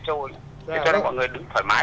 cho nên mọi người đứng thoải mái